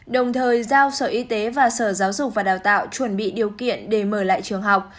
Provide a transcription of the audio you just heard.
đồng thời giao sở y tế và sở giáo dục và đào tạo chuẩn bị điều kiện để mở lại trường học